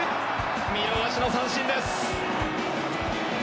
見逃しの三振です。